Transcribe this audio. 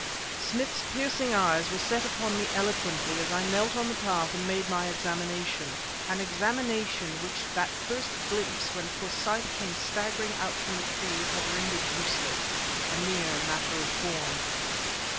Smith's piercing eyes were set upon me eloquently as I knelt on the path and made my examination an examination which that first glimpse when Forsyth came staggering out from the trees had rendered useless a mere matter of form.